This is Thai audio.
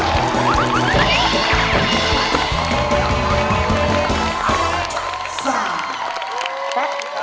ก็พร้อมแล้วรุ่นไป